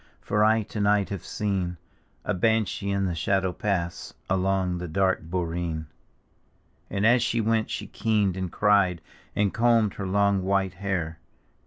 For I to night have seen A banshee in the shadow pass Along the dark borecn. And as she went she keened and cried. And combed her long white hair.